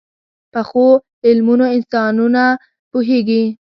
پخو علمونو انسانونه پوهيږي